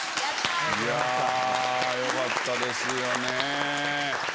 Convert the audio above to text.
いやよかったですよね。